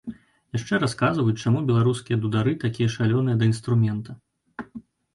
Яшчэ расказваюць, чаму беларускія дудары такія шалёныя да інструмента.